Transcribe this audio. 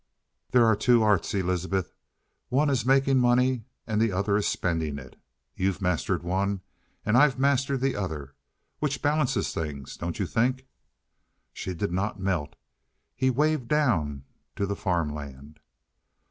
"There are two arts, Elizabeth. One is making money and the other is spending it. You've mastered one and I've mastered the other. Which balances things, don't you think?" She did not melt; he waved down to the farm land.